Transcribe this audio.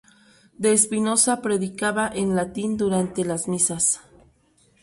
De Espinosa predicaba en latín durante las misas.